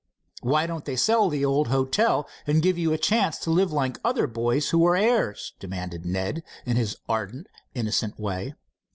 "Why don't they sell the old hotel, and give you a chance to live like other boys who are heirs?" demanded Ned, in his ardent, innocent way.